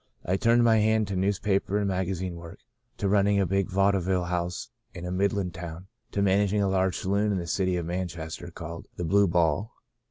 I turned my hand to newspaper and maga zine work, to running a big vaudeville house in a Midland town, to managing a large sa loon in the city of Manchester, called *The Blue Ball.'